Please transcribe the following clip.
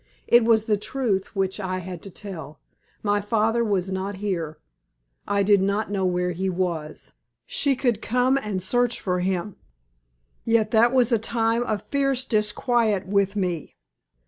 It was the truth which I had to tell. My father was not here. I did not know where he was. She could come and search for him. Yet that was a time of fierce disquiet with me.